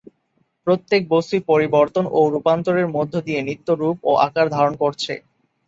প্রত্যেক বস্তুই পরিবর্তন ও রূপান্তরের মধ্য দিয়ে নিত্য রূপ ও আকার ধারণ করছে।